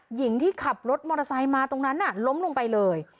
หญิงที่ขับรถมอเตอร์ไซค์มาตรงนั้นล้มลงไปเลย